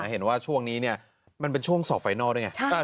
เห็นว่าช่วงนี้มันเป็นช่วงสอบไฟนอลด้วยไง